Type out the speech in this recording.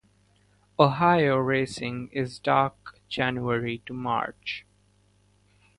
Ohio racing is dark January to March.